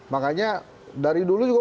makanya dari dulu juga